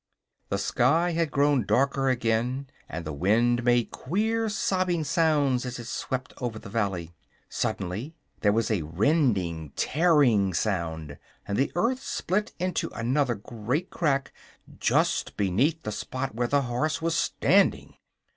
The sky had grown darker again and the wind made queer sobbing sounds as it swept over the valley. Suddenly there was a rending, tearing sound, and the earth split into another great crack just beneath the spot where the horse was standing.